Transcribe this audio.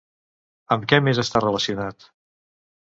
Amb què més està relacionat?